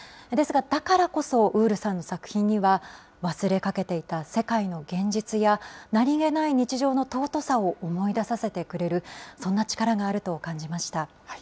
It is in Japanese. ですが、だからこそウールさんの作品には忘れかけていた世界の現実や、何気ない日常の尊さを思い出させてくれる、そんな力があると感じ